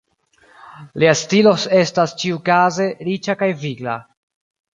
Lia stilo estas, ĉiukaze, riĉa kaj vigla.